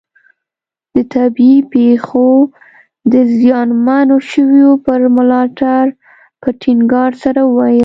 د طبیعي پېښو د زیانمنو شویو پر ملاتړ په ټینګار سره وویل.